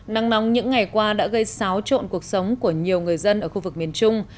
nắng nóng những ngày qua đã gây xáo trộn cuộc sống của nhiều người dân ở khu vực miền trung